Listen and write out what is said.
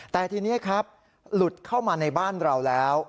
แต่ทีนี้ครับหลุดเข้ามาในบ้านเราแล้ว